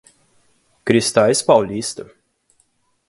Cristais Paulista